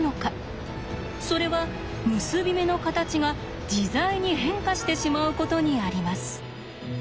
それは結び目の形が自在に変化してしまうことにあります。